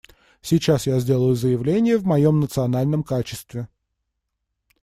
Сейчас я сделаю заявление в моем национальном качестве.